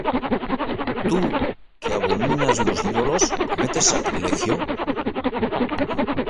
¿Tú, que abominas los ídolos, cometes sacrilegio?